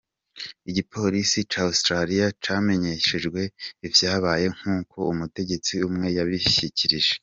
Igipolisi ca Australia camenyeshejwe ivyabaye, nkuko umutegetsi umwe yabishikirije.